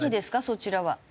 そちらは。